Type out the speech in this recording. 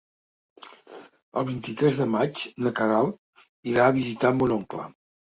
El vint-i-tres de maig na Queralt irà a visitar mon oncle.